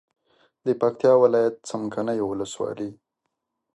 د پکتیا ولایت څمکنیو ولسوالي